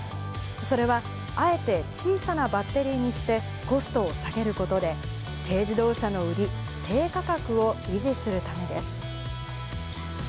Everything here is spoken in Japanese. それは、あえて小さなバッテリーにして、コストを下げることで、軽自動車の売り、低価格を維持するためです。